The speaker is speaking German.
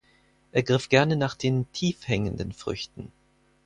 Er griff gerne nach den tief hängenden Früchten.